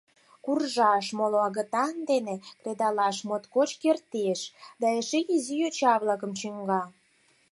Куржаш, моло агытан дене кредалаш моткоч кертеш да эше изи йоча-влакым чӱҥга».